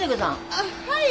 あっはい。